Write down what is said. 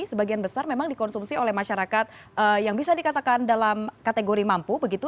sebagian besar memang dikonsumsi oleh masyarakat yang bisa dikatakan dalam kategori mampu begitu